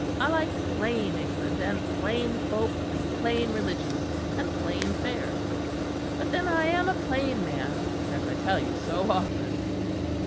I like plain England and plain folk and plain religion and plain fare; but then I am a plain man, as I tell you so often."